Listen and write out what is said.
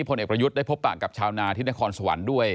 ผลเอกประยุทธ์ได้พบปะกับชาวนาที่นครสวรรค์ด้วย